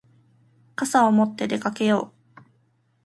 傘を持って出かけよう。